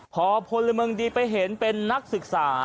พอพลเมืองดีไปเห็นเป็นนักศึกษา